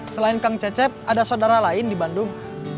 selain kang cecep ada saudara lain di bandung